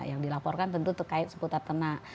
yang dilaporkan tentu terkait seputar ternak